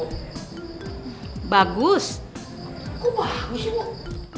kok bagus bu